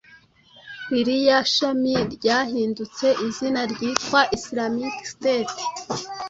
ririya shami ryahinduye izina ryitwa Islamic State